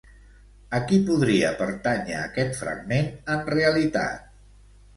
A qui podria pertànyer aquest fragment en realitat?